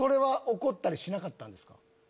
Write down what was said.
怒ったりしなかったんですか？